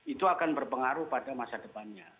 itu akan berpengaruh pada masa depannya